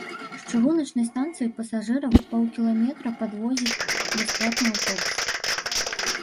З чыгуначнай станцыі пасажыраў паўкіламетра падвозіць бясплатны аўтобус.